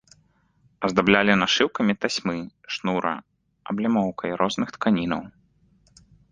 Аздаблялі нашыўкамі тасьмы, шнура, аблямоўкай розных тканінаў.